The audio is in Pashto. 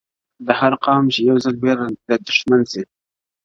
د هر قام چي يو ځل وېره له دښمن سي-